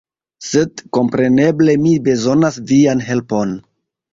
Sed kompreneble mi bezonas vian helpon!